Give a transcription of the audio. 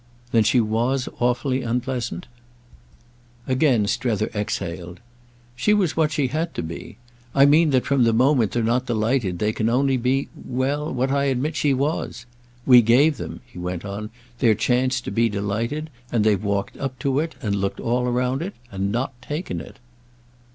"Then she was awfully unpleasant?" Again Strether exhaled. "She was what she had to be. I mean that from the moment they're not delighted they can only be—well what I admit she was. We gave them," he went on, "their chance to be delighted, and they've walked up to it, and looked all round it, and not taken it."